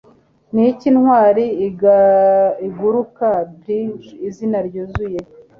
Niki Intwari Iguruka Biggles Izina ryuzuye